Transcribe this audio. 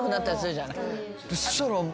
そしたら。